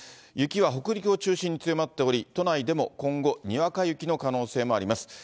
雪は北陸を中心に強まっており、都内でも今後、にわか雪の可能性もあります。